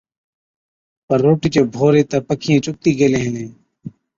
پَر روٽِي چي ڀوري تہ پَکِيئَين چُگتِي گيلين هِلين،